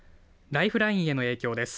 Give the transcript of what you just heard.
ライフラインへの影響です。